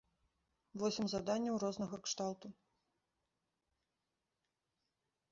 Восем заданняў рознага кшталту.